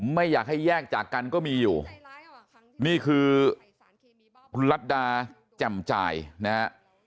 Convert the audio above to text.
ไม่อยากให้แยกจากกันก็มีอยู่นี่คือคุณรัฐดาแจ่มจ่ายนะฮะ